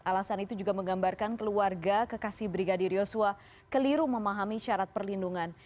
alasan itu juga menggambarkan keluarga kekasih brigadir yosua keliru memahami syarat perlindungan